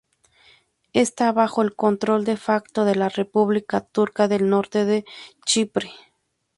Está bajo el control "de facto" de la República Turca del Norte de Chipre.